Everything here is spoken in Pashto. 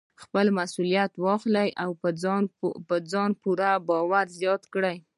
خپله مسوليت واخلئ چې په ځان باور زیات کړئ.